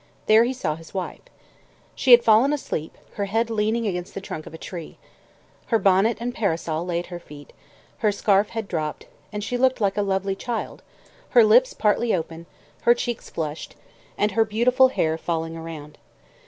There he saw his wife. She had fallen asleep, her head leaning against the trunk of a tree. Her bonnet and parasol lay at her feet, her scarf had dropped, and she looked like a lovely child, her lips partly open, her cheeks flushed, and her beautiful hair falling around.